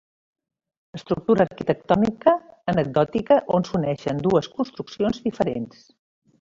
Estructura arquitectònica anecdòtica on s'uneixen dues construccions diferents.